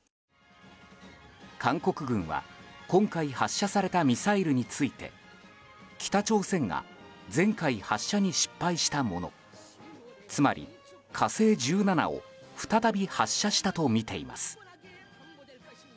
韓国軍は今回発射されたミサイルについて北朝鮮が前回発射に失敗したものつまり「火星１７」を再び発射したとみています。